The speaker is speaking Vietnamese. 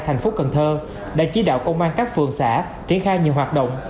thành phố cần thơ đã chỉ đạo công an các phường xã triển khai nhiều hoạt động